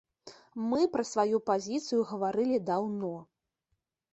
Мы пра сваю пазіцыю гаварылі даўно.